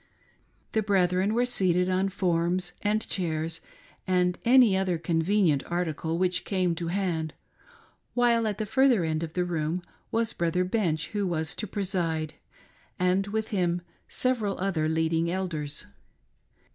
The brethren were seated on forms and chairs and any other convenient article which came to hand, while at the further end of the room was Brother Bench, who was to preside, and with him several other leading elders.